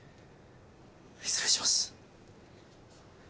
失礼します。